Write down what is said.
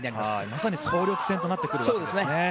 まさに総力戦となってくるわけですね。